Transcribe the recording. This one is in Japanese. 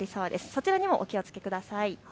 そちらにもお気をつけください。